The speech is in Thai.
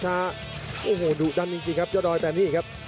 ต้องดูดันจริงกันครับยอดอยแต่นี่ครับ